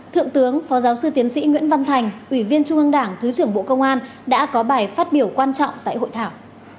thượng tướng phó giáo sư tiến sĩ nguyễn văn thành ủy viên trung ương đảng thứ trưởng bộ công an đã có bài phát biểu quan trọng tại hội thảo